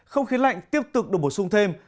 không khí lạnh tiếp tục được bổ sung thêm